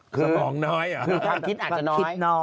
ความคิดอาจจะน้อย